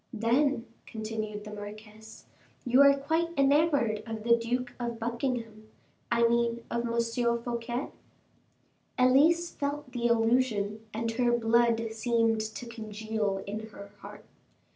"Then," continued the marquise, "you are quite enamored of the Duke of Buckingham I mean of M. Fouquet?" Elise felt the allusion, and her blood seemed to congeal in her heart.